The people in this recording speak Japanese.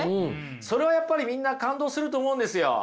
それはやっぱりみんな感動すると思うんですよ。